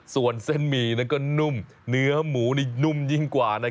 ส่วนเส้นหมี่ก็นุ่มเนื้อหมูนี่นุ่มยิ่งกว่า